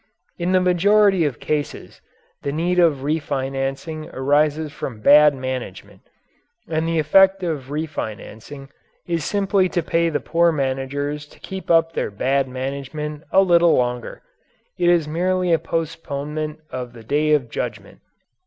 In the majority of cases the need of refinancing arises from bad management, and the effect of refinancing is simply to pay the poor managers to keep up their bad management a little longer. It is merely a postponement of the day of judgment.